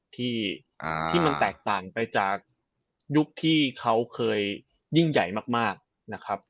ที่มันแตกต่างไปจากยุคที่เขาเคยยิ่งใหญ่มากนะครับ